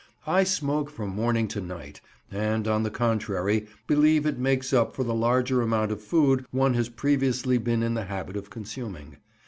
I smoke from morning to night, and, on the contrary, believe it makes up for the larger amount of food one had previously been in the habit of consuming.